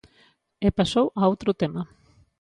E pasou a outro tema.